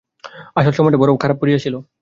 আসল, সময়টা বড়ো খারাপ পড়িয়াছিল।